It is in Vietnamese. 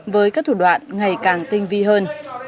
với các thủ đoạn ngày càng tinh vi hơn